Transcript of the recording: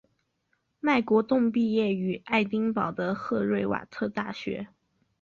麦国栋毕业于爱丁堡的赫瑞瓦特大学。